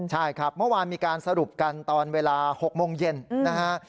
ใช่ครับเมื่อวานมีการสรุปกันตอนเวลา๖โมงเย็นนะฮะ